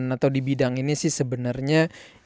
atau di bidang ini sih sebenarnya